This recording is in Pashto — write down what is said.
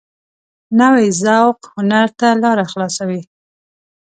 نوی ذوق هنر ته لاره خلاصوي